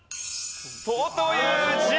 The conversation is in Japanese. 「戸」という字。